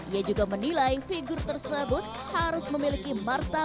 ia juga menilai figur tersebut harus memiliki martabat